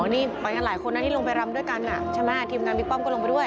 นี่ไปกันหลายคนนะที่ลงไปรำด้วยกันใช่ไหมทีมงานบิ๊กป้อมก็ลงไปด้วย